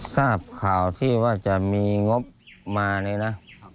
ซ่าปข่าวว่าจะมีงบมานึงนะ